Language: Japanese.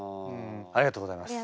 ありがとうございます。